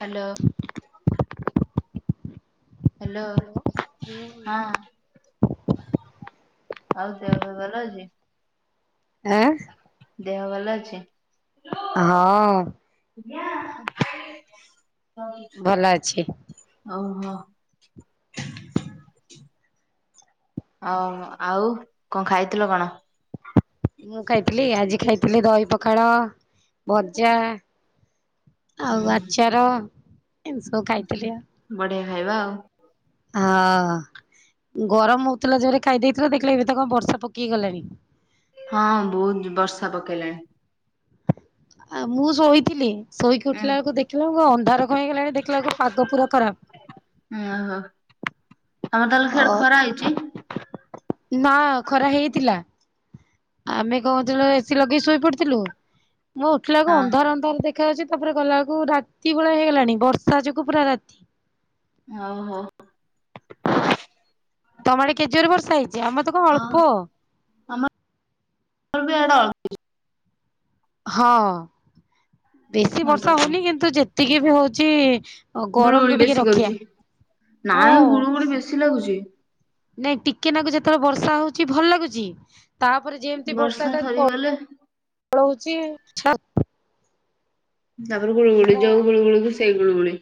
Hello. Hello ହଁ। ଆଉ ଦେହ ଫେଅ ଭଲ ଅଛି? ଆଁ ଦେହ ଭଲ ଅଛି? ହଁ। ଭଲ ଅଛି। ଓହୋ। ଆଉ ଆଉ କଣ ଖାଇଥିଲ କଣ? ମୁଁ ଖାଇଥିଲି ଆଜି ଖାଇଥିଲି ଦହି ପଖାଳ ଭଜା ଆଉ ହୁଁ ଆଚାର। ଏମିତି ସବୁ ଖାଇଥିଲି ଆଉ। ବଢିଆ ଖାଇବା ଆଉ। ହଁ ଗରମ ହଉଥିଲା ଜୋରେ ଖାଇଦେଇଥିଲୁ ଦେଖିଲେ ଏବେ ତ କଣ ବର୍ଷା ପକେଇ ଗଲାଣି। ହଁ ବହୁତ ବର୍ଷା ପକେଇଲାଣି। ଆ ମୁଁ ଶୋଇଥିଲି ଶୋଇକି ଉଁ ଉଠିଲା ବେଳକୁ ଦେଖିଲା ଅନ୍ଧାର କଣ ହେଇଗଲାଣି ଦେଖିଲା ବେଳକୁ ପାଗ ପୁରା ଖରାପ। ଓହୋ ଆମର ତାହେଲେ ଅ ସିଆଡେ ଖରା ହେଇଛି। ନା ଖରା ହେଇଥିଲା ଆମେ କହୁଥିଲୁ ଏସିି ଲଗେଇ ଶୋଇପଡିଥିଲୁ ମୁଁ ଉଠିଲାକୁ ହଁ ଅନ୍ଧାର ଅନ୍ଧାର ଦେଖାଯାଉଛି ତାପରେ ଗଲାବେଳକୁ ରାତି ଭଳିଆ ହେଇଗଲାଣି ବର୍ଷା ଯୋଗୁଁ ପୁରା ରାତି। ଓ ହୋ। ତମ ଆଡ଼େ କେତେ ଜୋରେ ବର୍ଷ ହେଇ ହଁ ଆମ [unintelligible] ହଁ ବେଶୀ ବର୍ଷା ହଉନି କିନ୍ତୁ ଯେତିକି ବି ହଉଛି ଗରମରୁ ଗୁଳୁଗୁଳି ଟିକେ ବେଶୀ ରକ୍ଷା। କରୁଛି ଓ ନାଇଁ ଗୁଳୁଗୁଳି ବେଶୀ ଲାଗୁଛି। ନାଇଁ ଟିକେନାକୁ ଯେତେବେଳେ ବର୍ଷା ହଉଛି ଭଲ ଲାଗୁଛି ତାପରେ ଯେମିତି ବର୍ଷା ଟା ପଳଉଛି ତା ପରେ ଗୁଳୁଗୁଳି ପୁରା ଯୋଉ ଗୁଳୁଗୁଳି କି ସେଇ ଗୁଳୁଗୁଳି।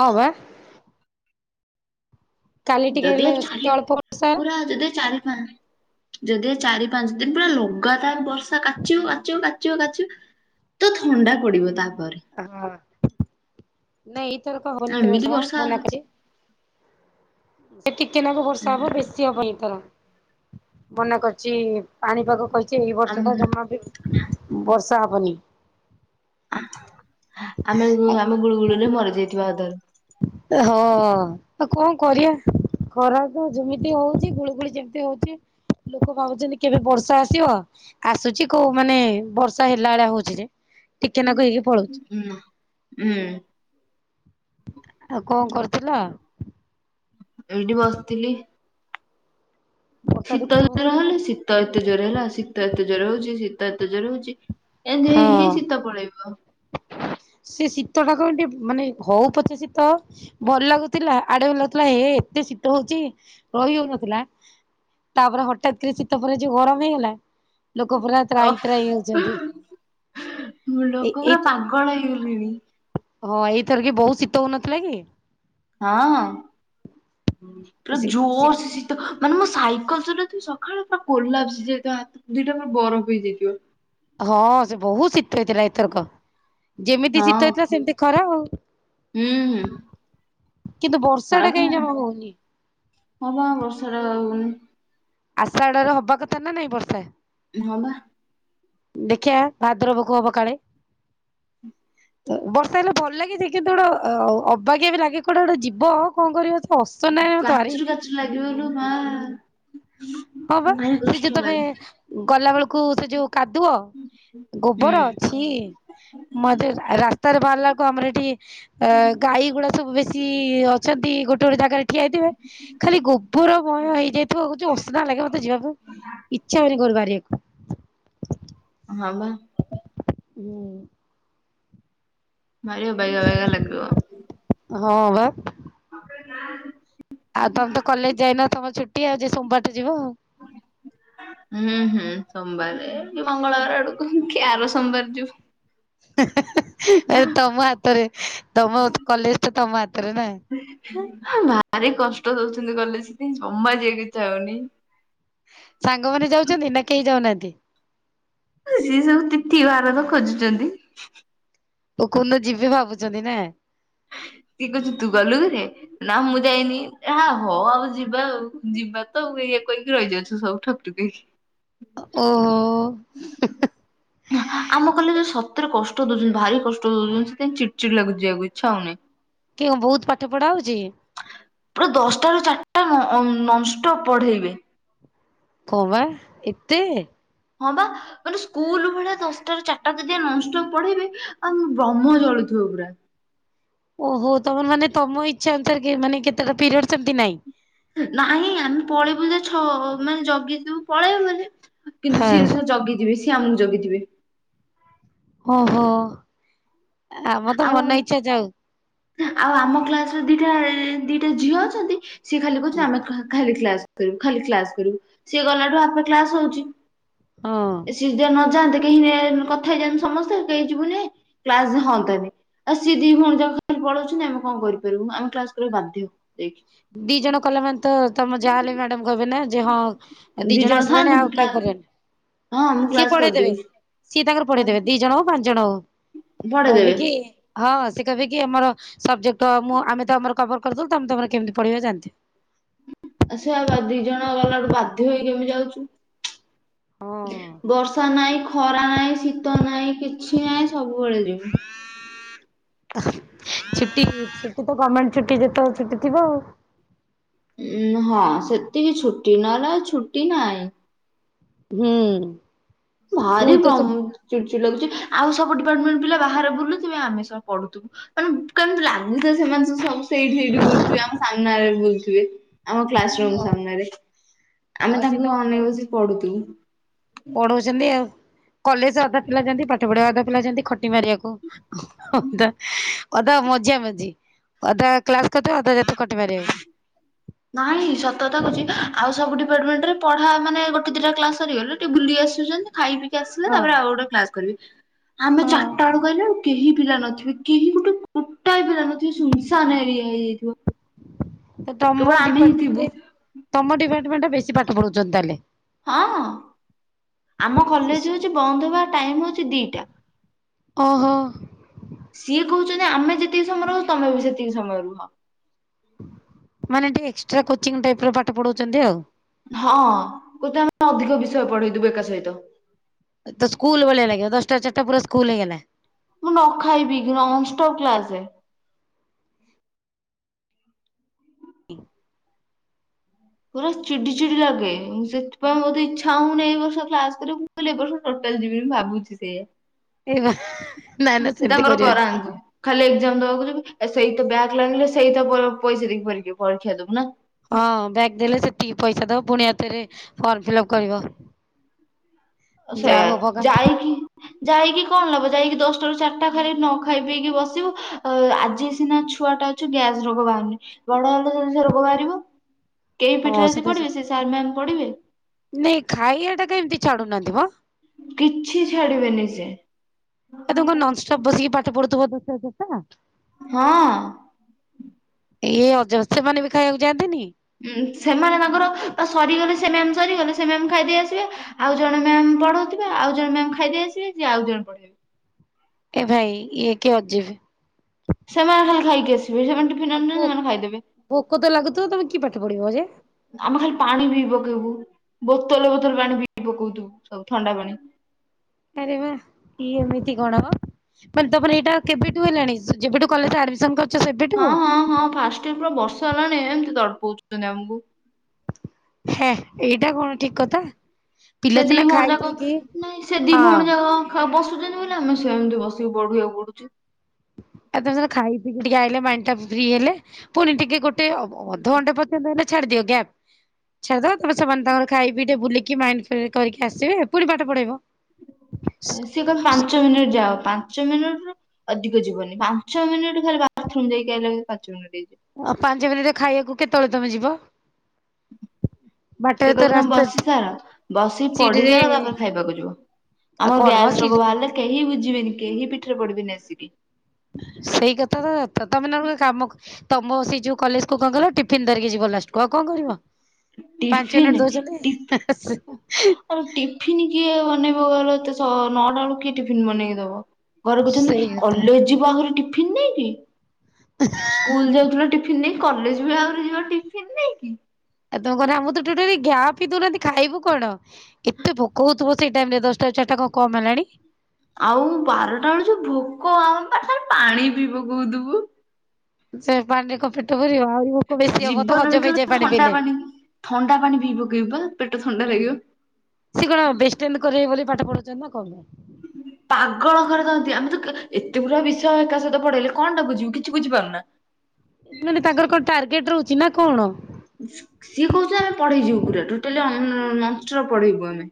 ହଁ ବା। କାଲି ଟିକେ ହେଲେ ଯଦିଓ ଚାରି ଅଳ୍ପ ବର୍ଷା ପୁରା ଯଦି ଚାରି ପା ଯଦି ଚାରି ପାଞ୍ଚ ଦିନ ପୁରା ଲଗାତାର ବର୍ଷା କାଚିବ କାଚିବ କାଚିବ କାଚିବ ତ ଥଣ୍ଡା ପଡିବ ତାପରେ। ହଁ ନାଇଁ ଏଇ ଥରକ ହବନି ବର୍ଷା ମନା କରିଛି। ସେ ଟିକେ ନାଗୁ ବର୍ଷା ହବ ଉଁ ବେଶୀ ହବନି ଏଇ ଥର ମନା କରିଛି ପାଣିପାଗ କହିଛି ଏଇ ବର୍ଷ ଟା ଆମ ଜମା ବି ବର୍ଷା ହବନି। ଆମେ ହଁ ଆମେ ଗୁଳୁଗୁଳିରେ ମରି ଯାଇଥିବା ଅଧାରୁ। ହଁ ଆ କଣ କରିଆ ଖରା ତ ଯେମିତି ହଉଛି ଗୁଳୁଗୁଳି ଯେମିତି ହଉଛି ଲୋକ ଭାବୁଛନ୍ତି କେବେ ବର୍ଷା ଆସିବ ଆସୁଛି କୋଉ ମାନେ ବର୍ଷା ହେଲା ଭଳିଆ ହଉଛି ଯେ ଟିକେ ନାକୁ ହେଇକି ପଳଉଛି। ହୁଁ ହୁଁ। ଆଉ କଣ କରୁଥିଲ? ଏଇଠି ବସିଥିଲି। ବର୍ଷା ଶୀତ ଦେଖୁଛ ଜୋର ବସିକି ନା। ହେଲେ ଶୀତ ଏତେ ଜୋରେ ହେଲା ଶୀତ ଏତେ ଜୋରେ ହଉଛି ଶୀତ ଏତେ ଜୋରେ ହଉଛି। ଏତି ହେଇ ହଁ ଶୀତ ପଳେଇବ। ସେ ଶୀତ ଟା କ ଏତି ମାନେ ହଉ ପଛେ ଶୀତ ଭଲ ଲାଗୁଥିଲା ଆଡେ ଭଲ ଲାଗୁଥିଲା ହେ ଏତେ ଶୀତ ହଉଛି ରହି ହଉନଥିଲା। ତାପରେ ହଠାାତ କରି ଶୀତ ପ ଯୋଉ ଗରମ ହେଇଗଲା ଲୋକ ପୁରା ତ୍ରାଇ ତ୍ରାଇ ହଉଛନ୍ତି। ମୁଁ ଏଇ ଲୋକ ପୁରା ଏଇ ପାଗଳ ହେଇଗଲିଣି। ହଁ ଏଇଥର କି ବୋଉ ଶୀତ ହଉନଥିଲା କି? ହଁ ପୁରୁରା ଶୀ ଶୀ ଜୋର ତ ମାନେ ମୋ ସାଇକେଲ ସଟା ତୁ ସକାଳୁ ପୁରା କୋଲାପ ଯେତ ଦିଟା ମୋର ବରଫ ହେଇଯାଇଥିବ। ହଁ ସେ ବହୁତ ଶୀତ ହେଇଥିଲା ଏଥରକ ଯେମିତି ଶୀତ ହଁ ହେଇଥିଲା ସେମିତି ଖରାପ ହୁଁ ହଉ ହୁଁ କିନ୍ତୁ ବର୍ଷା ଟା କାଇହିଁ ଜମା ହଉନି। ହବା ବର୍ଷ ର ଆଷାଢରେ ହବା କଥା ନା ନାଇଁ ବର୍ଷା। ହଲା। ଦେଖଆ ଭାଦ୍ରବକୁ ହବ କାଳେ। ହୁଁ। ବର୍ଷା ହେଲେ ଭଲ ଲାଗେଛି କିନ୍ତୁ ଗୋଟେ ଅବାକିା ବି ଲାଗେ କୋଟେ ଗୋଟେ ଯିବ ଆଉ କଣ କରିବ। ଅସ ନାହିଁ ତାର ଲାଗିବଲୁ ମା ହଁ ବା ଭାରି ସେ କଷ୍ଟ ଯୋଉ ତମେ ଲାଗେ ଗଲା ବେଳକୁ ସେ ଯୋଉ କାଦୁଅ ଗୋବର ହୁଁ ଅଛି ମ ରାସ୍ତାରେ ବାହାରିଲାକୁ ଆମର ଏଠି ଅ ଗାଈଗୁଡା ସବୁ ବେଶୀ ଅଛନ୍ତି ଗୋଟେ ଗୋଟେ ଜାଗାରେ ଠିଆଇଥିବେ ଖାଲି ଗୋବରମୟ ହେଇଯାଇଥିବ। ସୁଧ ଲାଗା ମତେ ଯିବାକୁ ଇଚ୍ଛା ହଉନି ଘରୁ ବାହାରିବାକୁ। ହଁ ବା। ଆଇ ମାର ବାଇଗ ବାଇଗ ଲଗିବ। ହଁ ବା। ଆଉ ତମେ ତ କଲେଜ ଯାଇନ ତମ ଛୁଟି ଆଉ ଯ ସୋମବାରଟ ଯିବ ଆଉ। ହୁଁ। ହୁଁ ହୁଁ ସୋମବାରେ ମଙ୍ଗଳବାର ଆଡକୁ କି ଆର ସୋମବାର ଯିବୁ। ତମ ହାତରେ ତମ କଲେଜ ତ ତମ ହାତରେ ନହିଁ। ଭାରି କଷ୍ଟ ଦଉଛନ୍ତି ଗଲେ ସେଥିାଇ ଜମା ଯିବାକଛ ହଉନି। ସାଙ୍ଗମାନୋନେ ଯାଉଛନ୍ତି ନା କେହି ଯାଉନାହାନ୍ତି। ସେ ସବୁ ତିଥି ଭାରତ ଖୋଜୁଛନ୍ତି। ପକୁନ୍ତ ଯିବି ଭାବୁଛନ୍ତି ନା। କିଏ କହୁଛୁ ତୁ ଗଲୁରେ। ନା ମୁଁ ଯାଇନି ହଉ ଆଉ ଯିବା ଆଉ ଯିବା ତ ଇଏ କହିକି ରହିଯାଉଛ ସବୁ ଠକ୍ଠକ ହେଇକି ଓହୋ। ଆମ କଲେ ଯଉ ସତରେ କଷ୍ଟ ଦଉଛନ୍ତି ଭାରି କଷ୍ଟ ଦଉଛନ୍ତି ସେଥିାଇଁ ଚି ଚିଡ ଲାଗକୁ ଯିବାକୁ ଇଚଛା ହଉନହିଁ। କେ ବହୁତ ପାଠ ପଢ଼ା ହଉଛି। ପୁରା ଦଶଟା ର ଚାରିଟା ନନଷ୍ଟ ପଢେଇବେ। କୋବା ଏତେ ହଁ ବା। ମାନେ ସ୍କୁଲ ଭଳିଆ ଦଶଟାରୁ ଚାରିଟା ଯଦି ନପ୍ ପଢେଇବେ ଆଉ ବ୍ରହ୍ମ ଜଳୁଥିବ ପୁରା। ଓହୋ ତମ ମାନେ ତମ ଇଚ୍ଛା ଅନୁସାରେ କି ମାନେ କେତେଟା ପିରିୟଡ଼ ସେମିତି ନାଇଁ। ନାଇଁ ଆମେ ପଳେଇବୁ ଯେ ଛ ମାନେ ଜଗିଥିବୁ ପଳେଇବୁ ବୋଲି କିନ୍ତୁ ହଁ ସିଏ ଜଗିଥିବେ ସି ଆମକୁ ଜଗିଥିବେ। ଓହୋ ଆମ ତ ଆଉ ମନ ଇଚ୍ଛା ଯାଉ ଆଉ ଆମ କ୍ଲାସ ରେ ଦିଟା ଦିଟା ଝିଅ ଅଛନ୍ତି ସିଏ ଖାଲି କହୁଛନ୍ତି ଆମଖା ଖାଲି କ୍ଲାସ କରିବୁ ଖାଲି କ୍ଲାସ କରିବୁ ସିଏ ଗଲାଠୁ ଆପେ କ୍ଲାସ ହଉଛି। ହଁ ସି ଯିଏ ନଯାଆନ୍ତେ କେହି କଥା ହେଇଯାନ୍ତେ ସମସ୍ତେ କେହି ଯିବୁନି କ୍ଲାସ ହଅନ୍ତାନି ଆଉ ସିଏ ଦି ଭଉଣୀ ଯକ ଖାଲି ପଳଉଛନ୍ତି ଆମେ କଣ କରିପାରିବୁ ଆମେ କ୍ଲାସ କରିବା ବାଧ୍ୟ ହଉ ଦି ଜଣ କଲେ ମାନେ ତ ତମେ ଯାହାହଲେ ମ୍ୟାଡାମ କହିବେ ନା ଯେ ହଁ ଆ ଦି ଦିଇ ଜଣ ଆସିଲଣି ଥାଆନ୍ତୁ ମୁଁ ଆଉ କ୍ଲା କାଇ କରିବାନି ହଁ ମୁଁ ସିଏ କ୍ଲାସ ପଢେଇଦେବେ। କରିଦେବି ସିଏ ତାଙ୍କର ପଠେଇଦେବେ ଦି ଜଣ ହଉ ପାଞ୍ଚ ଜଣ ହଉ ପଢେଇ କହିବି ଦେବେ। କି ହଁ ସେ କହିବେ କି ଆମର ସବଜେକ୍ଟ ମୁଁ ଆମେ ତ ଆମର କଭର କରିଦଉ ତମେ ତମର କେମିତି ପଢେଇବା ଜାଣିଥିବେ ଆ ସେଆ ଦି ଜଣ ଗଲା ଗଠୁ ବାଧ୍ୟ ହେଇକିମିତି ଯାଉଛୁ ହଁ ବର୍ଷା ନହିଁ ଖରା ନାହିଁ ଶୀତ ନାଇଁ କିଛି ନାହିଁ ସବୁବେଳେ ଯିବୁ ଛୁଟି ଛୁଟି ତ ଗଣ୍ଣମେଣ୍ଟ ଛୁଟି ଯେତେବେଳେ ଛୁଟି ଥିବ ଆଉ ଉଁ ହଁ ସେତିକି ଛୁଟି ନହେଲେ ଆଉ ଛୁଟି ନାହିଁ ହୁଁ ଭାରି ସ୍କୁଲ ଉ ତ ଚୁଡ଼ ଚୁଡ଼ ଲାଗୁଛି ଆଉ ସବୁ ଡିପାର୍ଟମେଣ୍ଟ ପିଲା ବାହାରେ ବୁଲୁଥିବେ ଆମେ ସବୁ ପଢୁଥିବୁ ମାନେ କେମିତି ଲାଗୁଛ ସେମାନେ ତ ସବୁ ସେଇଠି ସେଇଠି ବୁଲଥିବେ ଆମ ସାମ୍ନାରେ ବୁଲୁଥିବେ। ଆମ କ୍ଲାସ ରୁମ୍ ଛୁ ସାମ୍ନାରେ ଆମେ ହଁ ସିଏ ତାଙ୍କୁ ତମକୁ ଅନେଇଛି ପଢଉଛନ୍ତି ଆଉ ପଢୁଥିବୁ ପଢଉଛନ୍ତି ଆଉ କଲେଜ ଅଧା ପିଲାଯାଆନ୍ତି ପାଠ ପଢିବା ଅଧା ପିଲାଯାଆନ୍ତି ଖଟି ମାରିବାକୁ ହ ତା ଅଧା ମଝିଆ ମଝି ଅଧା କ୍ଲାସ କରିଥିବେ ଅଧା ଯେତ କଟି ମାରିବାଉ ନାଇଁ ସତତା କୁଛି ଆଉ ସବୁ ଡିପାର୍ଟମେଣ୍ଟରେ ପଢା ମାନେ ଗୋଟେ ଦିଟା କ୍ଲାସ ସରିଗଲେ ଟିକେ ବୁଲି ଆସୁଛନ୍ତି ଖାଇ ପିକି ଆସିଲେ ହଁ ତାପରେ ଆଉ ଗୋଟେ କ୍ଲାସ କରିବି ଆମେ ହଁ ଚାରିଟା ବେଳୁ କହିଲୁ ଆଉ କେହି ପିଲା ନଥିବେ କେହି ଗୋଟେ ଗୋଟାଏ ପିଲା ନଥିବେ ସୁନସାନ ଏରିଆ ହେଇଯାଇଥିବ ତମ କେବଳ ଆମେ ହିଁ ଥିବୁ ଡିପାର୍ଟମେଣ୍ଟ ତମ ଡିପାର୍ଟମେଣ୍ଟ ବେଶୀ ପାଠ ପଢଉଛନ୍ତି ତାହେଲେ ହଁ ଆମ କଲେଜ ହଉଛି ବନ୍ଦ ହବା ଟାଇମ ହଉଛି ଦିଟା ଓହୋ ସିଏ କହୁଛନ୍ତି ଆମେ ଯେତିକି ସମୟରୁ ହଉ ତମେ ବି ସେତିକି ସମୟରୁ ହ ମାନେ ଟିକେ ଏକ୍ସଟ୍ରା କୋଚିଂ ଟାଇପ ର ପାଠ ପଢଉଛନ୍ତି ଆଉ ହଁ ଗୋତେ ଆମେ ଅଧିକ ବିଷୟ ପଢେଇ ଦୁ ବ ଏକ ସହିତ ତ ସ୍କୁଲ ଭଳିଆ ଲାଗିବ ଦଶଟା ରୁ ଚାରିଟ ପୁରା ସ୍କୁଲ ହେଇଗଲା ମୁଁ ନ ଖାଇବି କି [unintelligible] କ୍ଲାସ ରେ ହଁ ପୁରା ଚିଡି ଚିଡି ଲାଗେଁ ସେଥିପାଇଁ ମୋତେ ଇଚ୍ଛା ହଉନି ଏଇ ବର୍ଷ କ୍ଲାସ କରିବାକୁ ମୁଁ କହିଲିଏ ବର୍ଷ ମୁ ଟୋଟାଲ ଯିବି ମୁ ଭାବୁଛି ସେ ଏଇ ବା ନା ନା ସେମିତି ତାଙ୍କର କରାନ୍ତି। କରିବନି ଖାଲି ଏକ୍ଜାମ ଦବାକୁ ଯିବି ଏ ସେଇତ ବ୍ୟାଗ ଲାଗିଲେ ସେଇତ ପ ଅ ପଇସା ଦେଇକି ପର ପରୀକ୍ଷା ଦବୁ ନା ହଁ ବ୍ୟାଗ ଦେଲେ ସେତିକି ପଇସା ଦବ ପୁଣି ଏଥିରେ ଫର୍ମ ଫିଲ୍ଅପ୍ କରିବ ଆ ସେଇୟା ଯାହା ହଉ ଭଗବାନ ଯାଇକି ଯାଇକି କଣ ନବ ଯାଇକି ଦଶଟା ରୁ ଚାରିଟା ଖାଲି ନ ଖାଇ ପିଇକି ବସିବୁ ଆଜି ସିନା ଛୁଆ ଟା ଛି ଗ୍ୟାସ ରୋଗ ବାହାରୁନି ବଡ ହେଲେ ଯଦି ସେ ରୋଗ ବାହାରିବ କେଇ ହଁ ପିଠୀ ରେ ଆସି ସେଟା ସତ ପଢିବେ ସେ ସାର ମାନେପଢିବେ ନାଇଁ ଖାଇବା ଟା କେମିତିଛାଡୁନାହାନ୍ତିି ବ କିଛି ଛାଡିବେନି ସେ ଏ ତାକୁ ନନଷ୍ଟପ୍ ବସିକି ପାଠ ପଢୁଥିବ ଦଶଟା ରୁ ଚା ରିଟା ହଁ ଏଇ ଅଜବ ସେମାନେ ବି ଖାଇବାକୁ ଯାଆନ୍ତିନି କି? ଉଁ ସେମାନେ ତାଙ୍କର ତା ସରିଗଲେ ସେମାନେ ସରିଗଲେ ସେମାନେ ଖାଇଦେଇ ଆସିବେ ଆଉ ଜଣ ମ୍ୟାମ୍ ପଢଉଥିବାେ ଆଉ ଜଣ ମମ୍ ଖାଇଦେଇ ଆସିବେ ଯେ ଆଉ ଜଣ ପଢେଇବେେ ଏ ଭାଇ ଇଏ କିଏ ଅ ଯିବ ସେମାନେ ଖାଲି ଖାଇକି ଆସିବି ସେ ଆଉ ଭୋକ ଭୋକ ତ ଲାଗୁଥିବ ତମେ କିଏ ପାଠ ପଢିବ ଯେ ଆମେ ଖାଲି ପାଣି ବି ପକେଇବୁ ବୋତଲ ବୋତଲ ପାଣି ବି ପକଉଥିବୁ ସବୁ ଥଣ୍ଡା ପାଣି ଆରେ ବା ଏ ଏମିତି କଣ ବା ମାନେ ତମର ଏଇଟା କେବେଠୁ ହେଲାଣି ଯେବେଠୁ କଲେଜରେ ଆଡମିସନ କରି ହଁ ହଁ ହଁ ଫାଷ୍ଟ ଇ ପୁରା ବର୍ଷ ହେଲାଣି ଏମିତି ତଡ ପଉଛନ୍ତି ଆମକୁ ହଁ ଏଇଟା କଣ ଠିକ କଥା ପିଲା ସେଦି ସିନା ବି ହଣ ଖାଇ ଜାାଗ ପିଇକି ନାଇଁ ସେଦି ବି ହଁ ହଣ ଜାାଗ ବସୁଛନ୍ତି ବଲେ ଆମେ ସେମିତି ବସିକି ବଢିବାକୁ ପଢୁ ଆଉ ତମେ ସ ଖାଇ ପିି ଟିକେ ଆଇଲେ ମାଇ ଟା ଫ୍ରି ହେଲେ ପୁଣି ଟିକେ ଗୋଟେ ଅଧଘଣ୍ଣ୍ଡେ ପର୍ଯ୍ୟନ୍ତ ହେଲେ ଛାଡିଦିଅ ଗ୍ୟାପ୍ ଛାଦ ତମ ସେମାନେ ତାଙ୍କର ଖାଇ ପିଇ ଟେ ବୁଲିକି ମାଇଣ୍ଡ ଫ୍ର କରିକି ଆସେ ଏୁି ପାଠ ପଢେଇବ ସିଏ କଣ ପାଞ୍ଚ ମିନିଟ ଯାଅ ପାଞ୍ଚ ମିନିଟ ର ଅଧିକ ଯିବନି ପାଞ୍ଚ ମିନିଟ ଖାଲି ବାଥରୁମ ଯକି ଆ ପାଞ୍ଚ ମିନିଟ୍ ହେଇଯିବ ଆଉ ପାଞ୍ଚ ମିନିଟ ଖାଇବାକୁ କେତେବେଳେ ତମେ ଯିବ ବାଟରେ ସିଏ ତ କହିବ ତମେ ରାସ୍ତା ବସି ସାର ବସି ପଢି ସିଡିରେ ସାର ତାପରେ ଖାଇବାକୁ ଯିବ ଆଉ ଆମର କଣ ମ ଗ୍ୟାସ ସିଡି ରୋଗ ବାହାରିଲେ କେହି ବୁଝିବେନି କେହି ପିଠରେ ପଡିବନି ଆସିକି ସେଇ କଥା ତ ତମେ ନ କାମ ତମ ସେଇ ଯୋଉ କଲେଜ କୁ କଣ କଲ ଟିଫିିନ ଧରିକି ଯିବ ଲାଷ୍ଟ କ କଣ କରିବ ପାଞ୍ଚ ଟିଫିନ ମିନିଟ୍ ଟିଫି ଦଉଛନ୍ତି ଆଉ ଟିଫନ୍ କିଏ ବନେଇବକୁ ଗଲେ ଏେ ନଅଟା ବେଳ କିଏ ଟିଫନ୍ ବନେଇକି ଦବ ଘରେ କହୁଛନ୍ତି ସେଇ କଥା। କଲେଜ ଯିବ ଆଗରେ ଟିଫିନ ନେଇାଇକି ସ୍କୁଲ ଯାଉଥିଲା ଟିଫିନ ନେଇ କଲେଜ ବେ ଆରେ ଯିବା ଟିଫନ୍ ନେଇ କି ଆଉ ତଣ କହିଲ ମୁଁ ତ ଟ ଟ ଘାଆ ପିଇଉନାନ୍ତି ଖାଇବୁ କଣ ଏତେ ଭୋକଉଥିବ ସେଇ ଟାଇମ ରେ ଦଶଟା ଚାରିଟା କଣ କମ ହେଲାଣି ଆଉ ବାରଟା ବେଳୁ ଯୋଉ ଭୋକ ଆମ ପାଠରେ ପାଣି ପିଇବ କୋଉଥିବୁ ସେ ପାଣିରେ କ ପେଟ ଭରିବ ଆହୁରି ଭୋକ ବେଶୀ ହବ ତ ଜୀବନ ହଜମ ବିକଳ ହେଇଯାଏ ପାଣି ଥଣ୍ଡା ପିଇଲେ ଥଣ୍ଡା ପାଣି ଭିଇ ପକେଇବା ପେଟ ଥଣ୍ଡା ଲାଗିବ ସେ କଣ ବଷ୍ଟେ କରିବେ ବୋଲି ପାଠ ପଢୁଛନ୍ତି ନା କଣ ହୁଁ ପାଗଳ କରିରେଥାଅନ୍ତି ଆମେ ତ ଏତେ ଗୁଡା ବିଷୟ ଏକା ସହିତ ପଢେଇଲେ କଣ ଟା ବୁଝିବୁ କିଛି ବୁଝିପାରୁନା ମାନେ ତାଙ୍କର କଣ ଟାର୍ଗେଟ ରହୁଛି ନା କଣ ସିଏ କହୁଛନ୍ତି ଆମେ ପଢେଇଯିବୁ ପୁରା ଟୋଟାଲି ନଷ୍ଟର ପଢେଇବୁ ଆମେ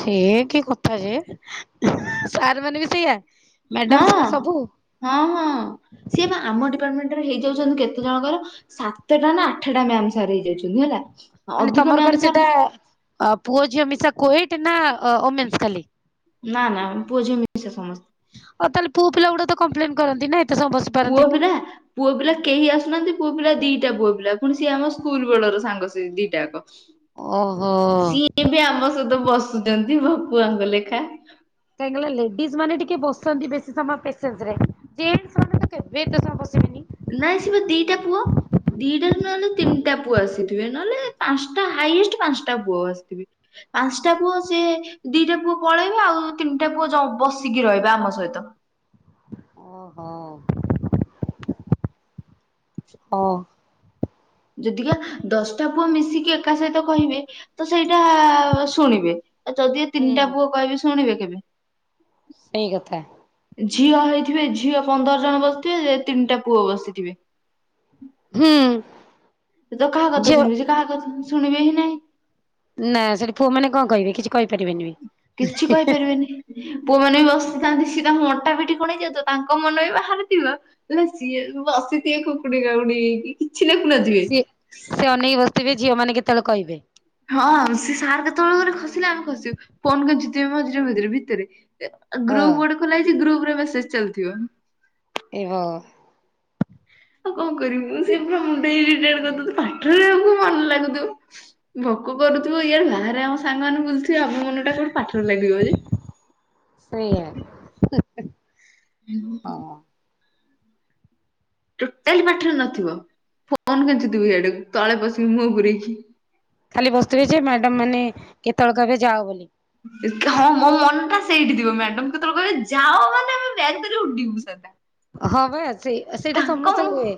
ସିଏ କି କଥା ଯେ ସାର୍ ମାନେ ବି ସେଇଆ ମ୍ୟାଡାମ ହଁ ସାର୍ ସବୁ ହଁ ହଁ ସିଏ ବା ଆମ ଡିପାର୍ଟମେଣ୍ଟ ରେ ହେଇଯାଉଛନ୍ତି କେତେ ଜଣଙ୍କର ସାତଟା ନା ଆଠଟା ମ୍ୟାାମ ସାର୍ ହେଇ ଯାଉଛନ୍ତି ହେଲା ମାନେ ଅଧିକ ତମର ମ୍ୟାମ କଣ ସାର୍ ସେଟା ପୁଅ ଝିଅ ମିଶା କୋୟେଟ ନା ଓମେନ୍ସ ଖାଲି ନା ନା ପୁଅ ଝିଅ ମିଶା ସମସ୍ତେ ଆଉ ତାହେଲ ପୁଅ ପିଲା ଗୁଡା କପ୍ଲେନ କରନ୍ତି ନା ଏତେ ସମୟ ବସି ପୁଅ ପାରନ୍ତିନି ବି ନା ପୁଅ ପିଲା କେହି ଆସୁନାହାନ୍ତି ପୁଅ ପିଲା ଦିଟା ପୁଅ ପିଲା ପୁଣି ସିଏ ଆମ ସ୍କୁଲ ବେଳର ସାଙ୍ଗ ସେ ଦିଟା ଯାକ ଓହୋ। ସିଏ ବି ଆମ ସହିତ ବସୁଛନ୍ତି ଭକୁଆ ଲେଖା କାହିଁକନା ଲେଡିଜ ମାନେ ଟିକେ ବସନ୍ତି ବେଶୀ ସମୟ ପେସେନ୍ସ ରେ ଜେନ୍ସ ମାନେ ତ କେବେ ଏତେ ସମୟ ବସିବେନି ନାଇ ସେପା ଦିଟା ପୁଅ ଦିଟା ନହେଲେ ତିନିଟା ପୁଅ ଆସିଥିବେ ନହେଲେ ପାଞ୍ଚଟା ହାଇଷ୍ଟ ପାଞ୍ଚଟା ପୁଅ ଆସିଥିବେ ପାଞ୍ଚଟା ପୁଅ ସେ ଦିଟା ପୁଅ ପଳେଇବେ ଆଉ ତିନିଟା ପୁଅ ବସିକି ରହିବା ଆମ ସହିତ ଓହୋ ହଉ ଯଦି କା ଦଶଟା ପୁଅ ମିଶିକି ଏକା ସହିତ କହିବେ ତ ସେଇଟା ଅ, ଶୁଣିବେ। ଏ ଯଦି ଏ ତିନିଟା ପୁଅ କହିବେ ଶୁଣିବେ କେବେ? ସେଇ କଥା। ଝିଅ ହେଇଥିବେ, ଝିଅ ପନ୍ଦର ଜଣ ବସିଥିବେ, ଯେ ତିନିଟା ପୁଅ ବସିଥିବେ। ହୁଁ। ସେ ତ କାହା କଥା ଝିଅ ଶୁଣିବି ସିଏ କାହା କଥା ଶୁଣିବେ ହିଁ ନାହିଁ। ନା ସେଠି ପୁଅ ମାନେ କଣ କହିବେ କିଛି କହିପାରିବେନି ବି। କିଛି କହିପାରିବେନି। ପୁଅମାନେ ବି ବସିଥାନ୍ତି ସିଏ ତାଙ୍କୁ ଅଣ୍ଟା ପିଟି କଣ ହେଇ ଯାଉଥିବ। ତାଙ୍କ ମନ ବି ବାହାରେତିବ। ହେଲା ସିଏ ବି ବସିଥିବେ କୁକୁଡି କାକୁଡ଼ି ହେଇକି। କିଛି ଏ ଲେଖୁନଥିବେ। ସିଏ ସେ ଅନେଇକି ବସିଥିବେ ଝିଅ ମାନେ କେତେବେଳେ କହିବେ। ହଁ ସିଏ ସାର୍ କେତେବେଳୁ ଗୋଟେ ଖସିଲେ ଆମେ ଖସିବୁ। ଫୋନ କରି ଜିତିବେ ମଝିରେ ମଝିରେ ଭିତରେ। ଏ ଏ ହଁ ଗ୍ରୁପ୍ ଗୋଟେ ଖୋଲା ହେଇଛି, ଗ୍ରୁପ୍ ରେ ମେସେଜ୍ ଚାଲିଥିବ। ଏ ଭଗ ଆଉ କଣ କରିବି, ମୁଁ ସେ ପୁରା ଉଁ, ସେଇ ବିଜାର କରଦଉଚୁ। ପାଠରେ ଆଉ କଣ ମନ ଲାଗୁଥୁବ। ଭୋକ କରୁଥିବ, ଇଆଡେ ବାହାରେ ଆମ ସାଙ୍ଗ ମାନେ ବୁଲଥିବେ ଆମ ମନଟା କୋଉଠି ପାଠରେ ଲାଗିବ ଯେ। ସେଇଆ, ହଁ। ଟୋଟାଲି ପାଠରେ ନଥିବ, ଫୋନ, କେଞ୍ଚୁଥିବି ଇଆଡେ ତଳେ ପଶି ମୁହଁ ପୁରେଇକି। ଖାଲି ବସୁଥିବେ ଯେ ମ୍ୟାଡାମ୍ ମାନେ କେତେବେଳ କହିବେ ଯାଅ ବୋଲି। ହଁ ମୋ ମନଟା ସେଇଠି ଥିବ ମ୍ୟାଡମ୍ କେତେବେଳେ କହିବେ ଯାଅ ମାନେ ଆମେ ବ୍ୟାଗ୍ ଧରି ଉଡିବୁ ସଦା। ହ ବା ସେଇ ଅ, ସେଇଟା ତାଙ୍କ ସମସ୍ତଙ୍କର ମୁହଁ ହୁଏ।